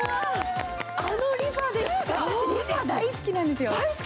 あのリファですか、私、大好きなんですよ。